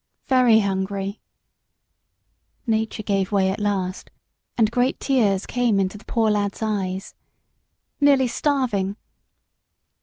"Very hungry." Nature gave way at last, and great tears came into the poor lad's eyes. "Nearly starving."